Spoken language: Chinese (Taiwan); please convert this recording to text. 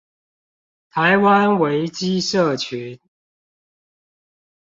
台灣維基社群